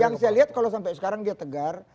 yang saya lihat kalau sampai sekarang dia tegar